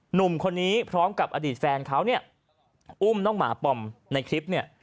หนุ่มคนนี้พร้อมกับอดีตแฟนเขาเนี่ยอุ้มน้องหมาปอมในคลิปเนี่ย